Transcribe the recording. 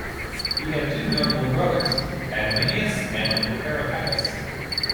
He had two notable brothers, Adminius and Caratacus.